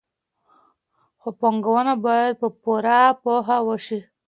خو پانګونه باید په پوره پوهه وشي.